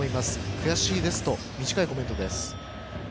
悔しいですと短いコメントです。